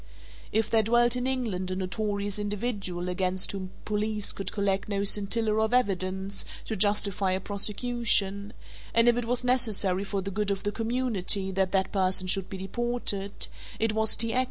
If there dwelt in England a notorious individual against whom the police could collect no scintilla of evidence to justify a prosecution, and if it was necessary for the good of the community that that person should be deported, it was T. X.